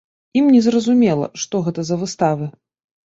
Ім незразумела, што гэта за выставы.